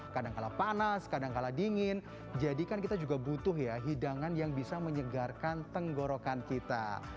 kadang kadang panas kadang kadang dingin jadi kan kita juga butuh hidangan yang bisa menyegarkan tenggorokan kita